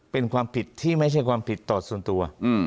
เป็นความผิดที่ไม่ใช่ความผิดต่อส่วนตัว